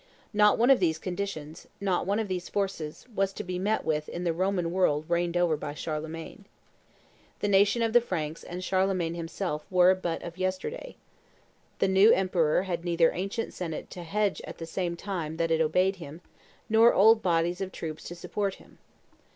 Not one of these conditions, not one of these forces, was to be met with in the Roman world reigned over by Charlemagne. The nation of the Franks and Charlemagne himself were but of yesterday; the new emperor had neither ancient senate to hedge at the same time that it obeyed him, nor old bodies of troops to support him.